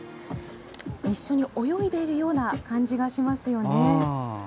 一緒に泳いでいるような感じがしますよね。